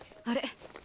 あれ？